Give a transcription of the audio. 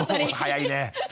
早いね。